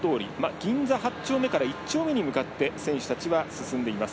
銀座８丁目から１丁目に向かって選手たちは進んでいます。